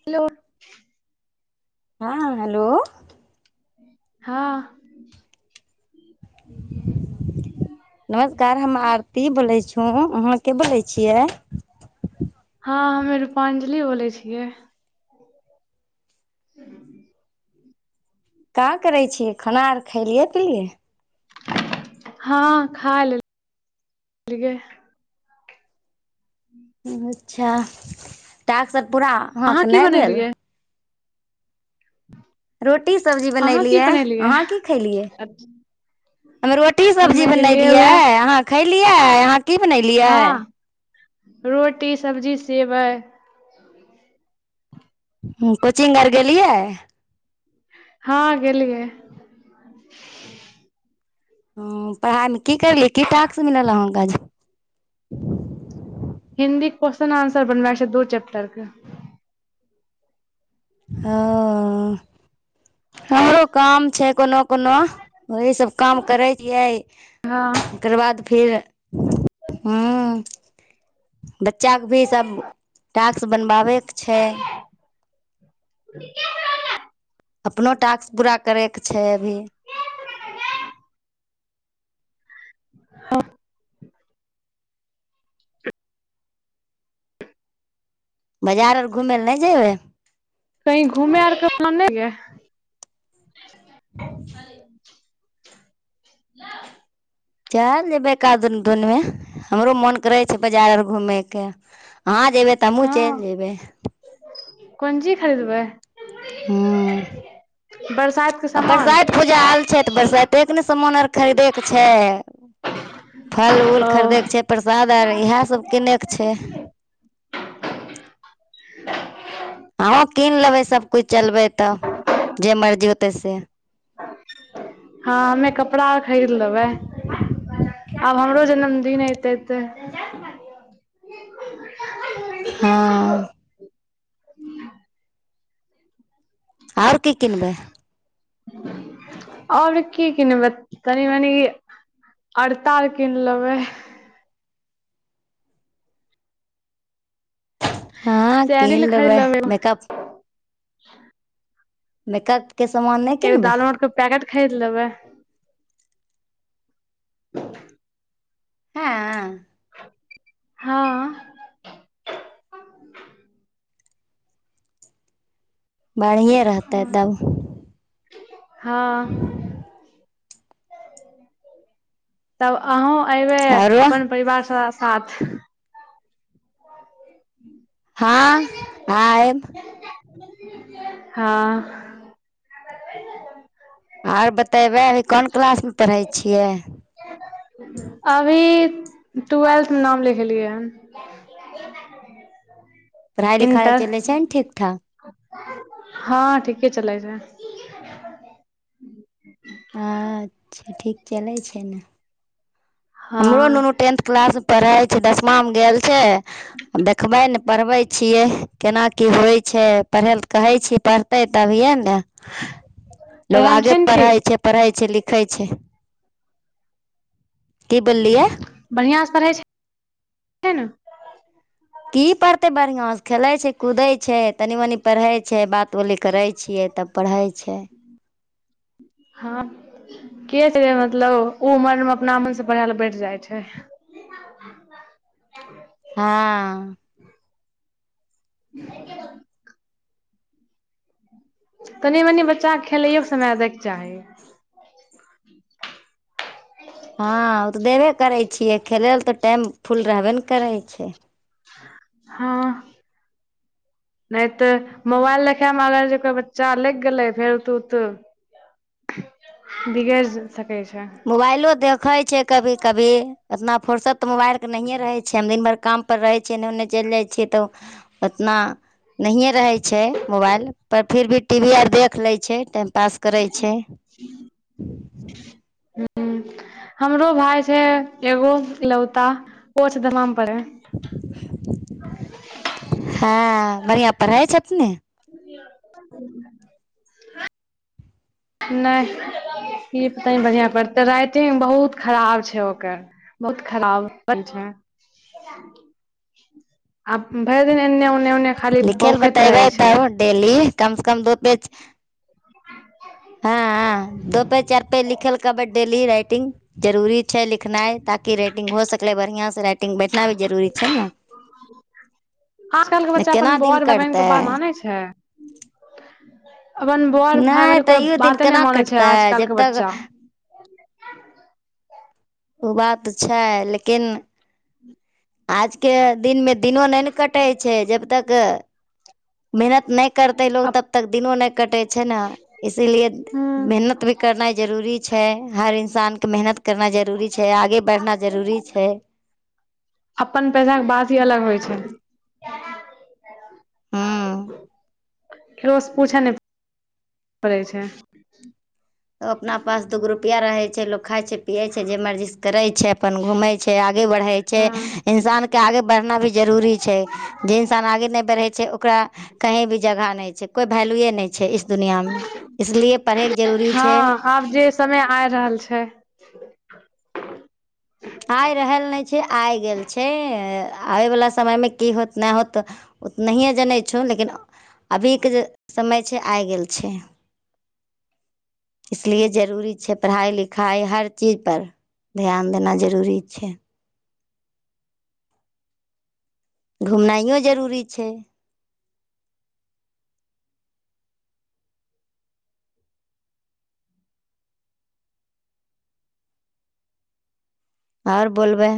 hello हँ hello हँ नमस्कार हम आरती बोलै छौ अहाँ के बोलै छियै हँ हमे रूपांजली बोलै छियै सी [inaudible] का करै छियै खाना आर खलियै पीलयै हँ खा लेल लेलियै हूँ अच्छा टास्क सभ पुरा अहाँ अहाँके की नहि भेल बनेलियै रोटी सब्जी अहाँ की बनलियै बनेलियै अहाँ की खलियै अच्छ- हम रोटी सब्जी हमे गेलियै बनलियै उएह अहाँ खलियै अहाँ की बनेलियै हँ रोटी सब्जी सेबै हूँ कोचिंग आर गेलियै हँ गेलियै हूँ पढ़ाइमे की कैलियै की टास्क मिलल अहाँके आज हिंन्दीके क्वेश्चन आन्सर बनेबाक छै दू चैप्टरके ह ओ हमरो काम छै कोनो कोनो वहीं सब काम करै छियै हँ ओकर बाद फेर हूँ बच्चाकेँ भी सभ टास्क बनवाबयके छै [inaudible] अपनो टास्क पूरा करैके छै अभी हँ बाजार आर घूमय लए नहि जयबै कहीं घूमे आर के [inaudible] चलि जेयबै एकाद दुनमे हमरो मोन कर रहै छै बाजार आर घूमयके आहाँ जेबै त हमहूँ चलि हँ जेबै कोन चीज खरीदबै हूँ बरसात के आ सामान बरसाइत पूजा आयल छै तऽ बरसाइते ने सामान आर खरीदेके छै फल उल ओ खरिदयके छै प्रसाद आर इएहसभ किनयके छै [inaudible] हाँ हमहुँ कीन लेबै सभ किछु चलबै तऽ जे मर्जी होतै से हँ हमे कपड़ा अर खरीद लेबै आब हमरो जन्मदिन एतै तऽ [inaudible] [inaudible] हँ आओर कि किनबै आओर की किनबै तनी मनी अलता आर कीन लेबै हँ कीन लेबै मेकअप ह [inaudible] मेकअप के सामान नहि एगो किनबै दालमुट कें पैकेट खरीद लेबै त [inaudible] हँ हँ बढ़ियें रहतेै तब हँ तब अंहूँ एयबै आरो अपन परिवार सबके साथ ह [inaudible] हँ आएब हँ आर बतेबै अभी कोन क्लास मे पढ़ै छियै अभी ट्वेल्थ मे पढ़ाइ नाम लिखलियए हन [inaudible] पढ़ाइ लिखाइ इंटर चलै छै ने ठीक ठाक हँ ठीके चलै छै अच्छा ठीक चलै छै ने हँ हमरो नुनू टेंथ क्लास पढ़े छै दसमा मे गेल छै आब देखबै ने पढ़बै छियै केना की होइ छै पढ़ैले त कहै छिय पढ़तै तभियए ने लोग पढ़ाइ मे आगे छै ने पढ़ै ठीक छै पढ़ै छै लिख खै छै [inaudible] बोललियै बढ़िआँ सँ पढ़ैय छै केना की पढ़तै बढ़िआँसँ खेलैत छै कूदैत छै तनि मनि पढ़ै छै बात बोली करै छियै तब पढ़ै छै हँ के से मतलब उ हमर अपना मन से पढ़ै लय बैठ जाइ छै हँ [inaudible] तनि मनि बच्चाकेँ खेलैओकेऽ समय दयके चाही हँ ओ तऽ देबे करै छियै खेलै ल तऽ टाइम फूल रहबे ने करै छै हँ नहि तऽ मोबाइल देखय मे अगर जेकर बच्चा लगि गेलै फेर उ त बिगड़ - मोबाइलो देखै छै कभी कभी उतना फुरसत तऽ मोबाइल के नहिए रह छै हम दिनभरि काम पर रहै छैै एन्ने ओन्ने चलि जाइ छियै तऽ ओतना नहिए रहै छै मोबाइल पर फिर भी टी वी आर देख लै छै टाइम पास करै छै हूँ हमरो भाय छै एगो इकलौता ओ छै - हँ बढियां पढ़इ छथि ने [inaudible] नहि ई पता बढ़िया पढ़त राइटिंग बहुत खराब छै ओकर बहुत खराब छै आ भरि दिन एने ओने लिखै ल बतेबै तब डेली कम से कम दू पेज हँ दो पेज चार पेज लिख खेल कबड्डी ली रइटिंग जरूरी छै लिखनाइ ताकि राइटिंग हो सकलै बढ़िआं से राटिंग बैठना भी जरूरी छै ने आय काल्हि नहि बच्चा अपन केना दिन बर भाय बहिन कटतै के बात मानै छै अपन बर भाई नहि बहिन के कोइ तैयो दिन बाते नहि केना मानै छै कटतै आजकल जब के तक बच्चा ओ बात छै लेकिन आजके दिनमे दिनो नहि ने कटै - छै जब तक मेहनत नहि करते लोग अप तबतक दिनो नहि कटे छै ने इसीलिए हूँ मेहनत भी करनाइ जरूरी छै हर इन्सान के मेहनत करना जरूरी छै आगे बढ़ना जरूरी छै अपन पैसाक के बात ही अलग होइ छै हूँ केकरोसँ पूछै नहि पैरै छै त अपना पास दूगो रुपआ रहै छै लोक खाइ छै पियए छै जे मर्जी से करै छै अपन घुमै छै आगे बढ़ै छै हँ इन्सान आगे बढ़ना भी जरूरी छै जे इंसान आगे नहि बढ़े छै ओकरा कहीं भी जगह नहि छै कोइ वैल्युए नहि छै इस दुनिया मे इसलिए पढ़ैके जरूरी हँ छै आब जे समय आ रहल छै [unintelligible] आइ रहल नहि आइ गेल छै आबे वाला समय मे की होत नहि होत ओ नहिे जनै छो लेकिन अभी के जे समय छै आइ गेल छै इसलिए जरूरी छै पढ़ाई लिखाई हर चीज पर ध्यान देना जरूरी छै जरूरी छै घुमनाइो जरूरी छै आओर बोलबै